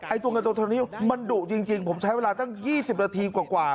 ตัวเงินตัวเท่านี้มันดุจริงผมใช้เวลาตั้ง๒๐นาทีกว่า